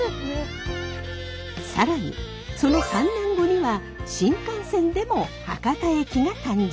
更にその３年後には新幹線でも博多駅が誕生。